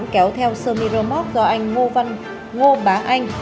kéo theo sơ miramont do anh ngô bá anh